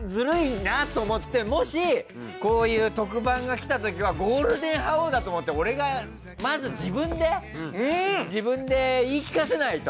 もしこういう特番が来た時はゴールデン覇王だと思って俺がまず自分で自分で言い聞かせないと。